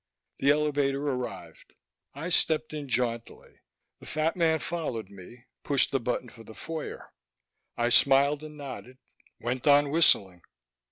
The elevator arrived. I stepped in jauntily. The fat man followed me, pushed the button for the foyer. I smiled and nodded, went on whistling.